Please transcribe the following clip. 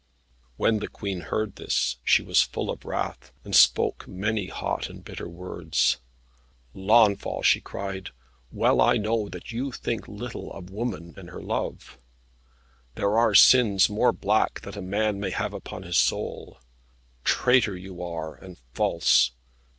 When the Queen heard this, she was full of wrath, and spoke many hot and bitter words. "Launfal," she cried, "well I know that you think little of woman and her love. There are sins more black that a man may have upon his soul. Traitor you are, and false.